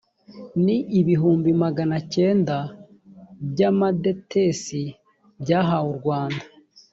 ni ibihumbi magana cyenda by’ amadetesi byahawe u rwanda